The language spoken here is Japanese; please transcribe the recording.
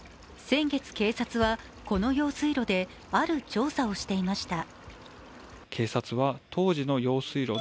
先月、警察はこの用水路である調査をしていました。